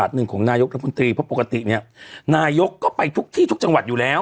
หนึ่งของนายกรัฐมนตรีเพราะปกติเนี่ยนายกก็ไปทุกที่ทุกจังหวัดอยู่แล้ว